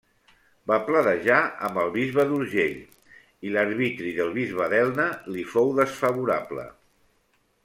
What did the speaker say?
Va pledejar amb el Bisbe d'Urgell i l'arbitri del Bisbe d'Elna li fou desfavorable.